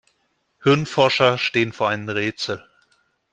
Hirnforscher stehen vor einem Rätsel.